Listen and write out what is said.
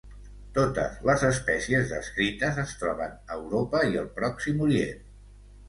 Totes les espècies descrites es troben a Europa i el Pròxim Orient.